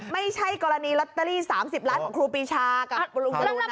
ไม่ใช่กรณีลัตเตอรี่๓๐ล้านครูปีชากับปรุงกรุณา